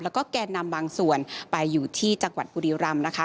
แล้วก็แกนนำบางส่วนไปอยู่ที่จังหวัดบุรีรำนะคะ